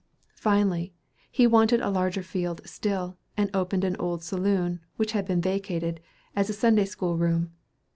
Finally he wanted a larger field still, and opened an old saloon, which had been vacated, as a Sunday school room.